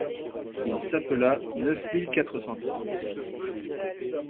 Il s’appela neuf mille quatre cent trente.